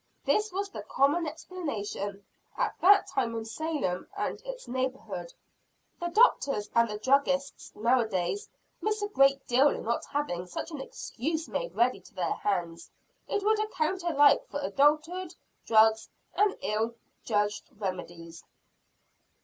This was the common explanation at that time in Salem and its neighborhood. The doctors and the druggists nowadays miss a great deal in not having such an excuse made ready to their hands it would account alike for adulterated drugs and ill judged remedies.